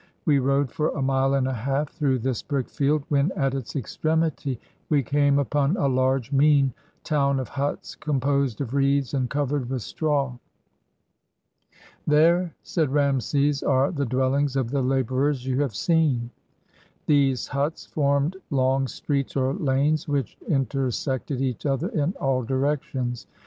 We rode for a mile and a half through this brick field, when at its extremity we came upon a large, mean town of huts composed of reeds and covered with straw. "There," said Rameses, "are the dwellings of the laborers you have seen." These huts formed long streets or lanes which inter sected each other in all directions.